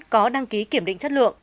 có đăng ký kiểm định chất lượng